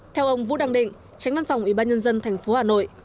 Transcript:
theo ông vũ đăng định tránh văn phòng ubnd tp hà nội